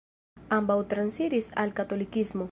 Ambaŭ transiris al katolikismo.